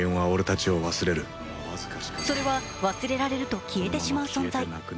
それは、忘れられると消えてしまう存在。